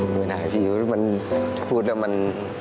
ไม่ได้พี่พูดแล้วมัน